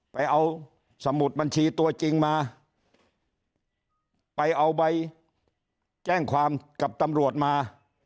ไปเอาสมุดบัญชีตัวจริงมาไปเอาใบแจ้งความกับตำรวจมา